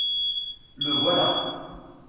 Le voilà.